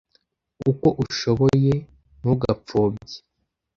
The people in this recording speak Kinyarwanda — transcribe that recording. uko ushoboye; ntugapfobye